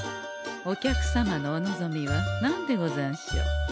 お客様のお望みは何でござんしょう？